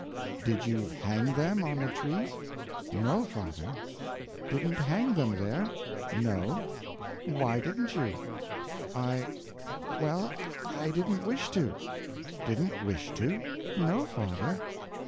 "Did you hang them on the tree?" "No, father." "Didn't hang them there?" "No." "Why didn't you?" "I—well, I didn't wish to." "Didn't wish to?" "No, father."